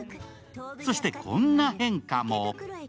そして、こんな変化も。